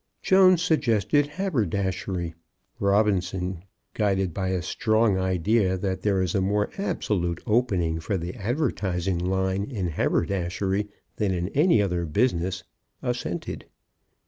Jones suggested haberdashery; Robinson, guided by a strong idea that there is a more absolute opening for the advertising line in haberdashery than in any other business, assented.